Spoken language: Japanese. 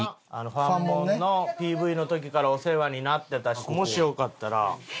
ファンモンのＰＶの時からお世話になってたしもしよかったら。